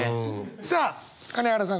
さあ金原さん